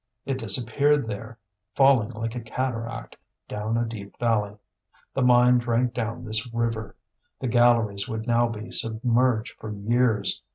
It disappeared there, falling like a cataract down a deep valley. The mine drank down this river; the galleries would now be submerged for years.